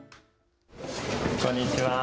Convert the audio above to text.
こんにちは。